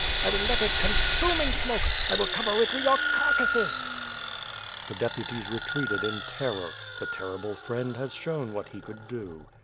I will let it con sume in smoke! I will cover it with your carcasses." The deputies retreated in terror — the terrible friend has showm what he could do.